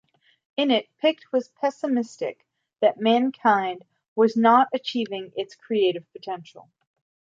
In it Pick was pessimistic that mankind was not achieving its creative potential.